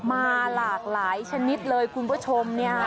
มาหลากหลายชนิดเลยคุณผู้ชมเนี่ย